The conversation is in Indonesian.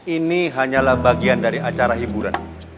ini hanyalah bagian dari acara hiburan